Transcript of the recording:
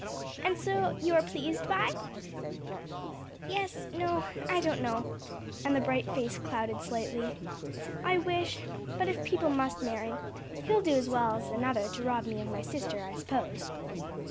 "And so you are pleased, Vi?" "Yes, no, I don't know," and the bright face clouded slightly. "I wish but if people must marry, he'll do as well as another to rob me of my sister, I suppose."